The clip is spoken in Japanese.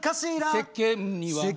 「世間には」